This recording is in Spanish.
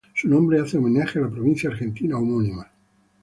Su nombre hace homenaje a la provincia argentina homónima.